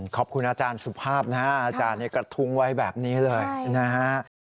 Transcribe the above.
ขอบคุณอาจารย์สุภาพนะฮะอาจารย์กระทุ้งไว้แบบนี้เลยนะฮะ